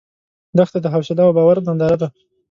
دښته د حوصله او باور ننداره ده.